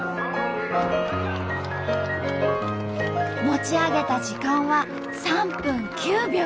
持ち上げた時間は３分９秒。